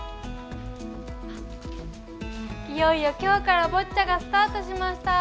いよいよきょうからボッチャがスタートしました。